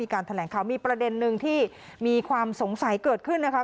การแถลงข่าวมีประเด็นนึงที่มีความสงสัยเกิดขึ้นนะคะ